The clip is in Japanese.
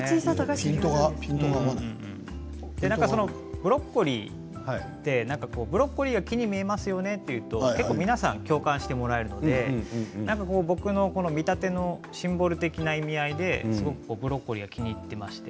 ブロッコリーってブロッコリーが木に見えますよねというと結構、皆さん共感してもらえるので僕の見立てのシンボル的な意味合いでブロッコリーが気に入っていまして。